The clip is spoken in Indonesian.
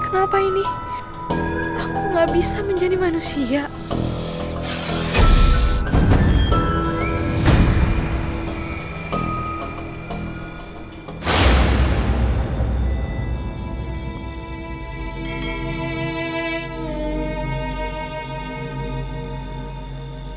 kenapa ketika hujannya berhenti aku bisa berubah menjadi manusia lagi